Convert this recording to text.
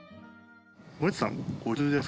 森田さん。